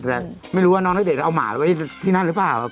แต่ไม่รู้ว่าน้องเก็บเด็กเอาหมาไว้ที่นั่นหรือเปล่า